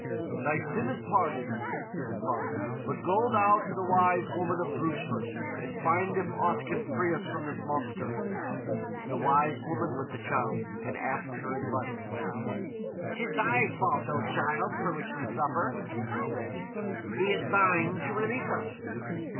"Thy sin is pardoned," said his father; "but go thou to the Wise Woman of Brugeford, and find if aught can free us from this monster." To the Wise Woman went the Childe, and asked her advice. "'T is thy fault, O Childe, for which we suffer," she said; "be it thine to release us."